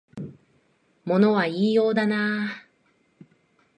物は言いようだなあ